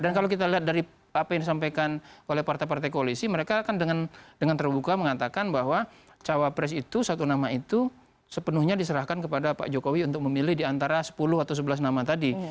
dan kalau kita lihat dari apa yang disampaikan oleh partai partai koalisi mereka kan dengan terbuka mengatakan bahwa cawapres itu satu nama itu sepenuhnya diserahkan kepada pak jokowi untuk memilih di antara sepuluh atau sebelas nama tadi